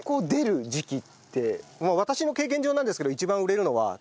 私の経験上なんですけど一番売れるのは。